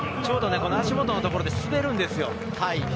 足元のところで滑るんですよ。